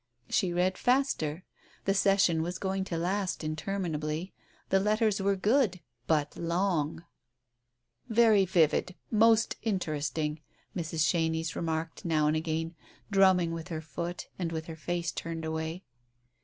She read faster. The session was going to last interminably, the letters were good, but long ! "Vefy vivid! Most interesting!" Mrs. Chenies remarked now and again, drumming with her foot, and with her face turned away.